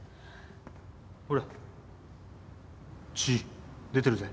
ほら血出てるぜ